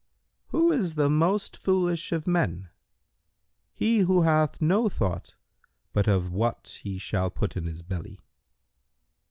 Q "Who is the most foolish of men?"—"He who hath no thought but of what he shall put in his belly."